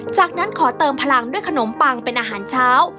จากนั้นขอเติมพลังด้วยขนมปังเป็นอาหารเช้า